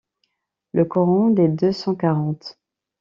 Le coron des Deux-Cent-Quarante